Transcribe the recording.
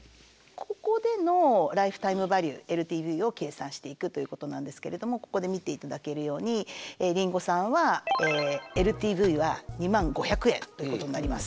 ここでのライフタイムバリューＬＴＶを計算していくということなんですけれどもここで見ていただけるようにりんごさんはＬＴＶは２０，５００円ということになります。